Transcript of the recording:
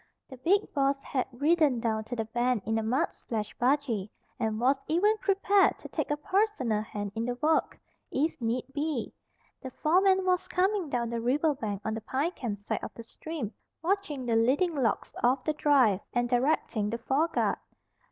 The big boss had ridden down to the bend in a mud splashed buggy, and was even prepared to take a personal hand in the work, if need be. The foreman was coming down the river bank on the Pine Camp side of the stream, watching the leading logs of the drive, and directing the foreguard.